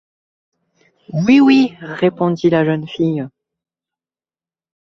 Oui! oui ! répondit la jeune fille.